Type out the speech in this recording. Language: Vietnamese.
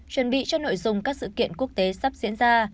chuẩn bị cho nội dung các sự kiện quốc tế sắp diễn ra